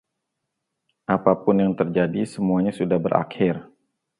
Apapun yang terjadi, semuanya sudah berakhir.